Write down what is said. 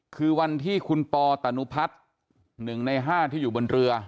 คือวันที่คุณปอตนุพัฒน์๑ใน๕ที่อยู่บนเรือ